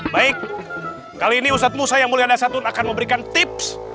baik kali ini ustadz musa yang mulia dasar akan memberikan tips